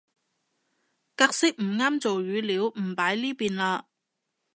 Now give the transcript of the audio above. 格式唔啱做語料唔擺呢邊嘞